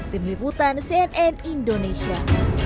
tim liputan cnn indonesia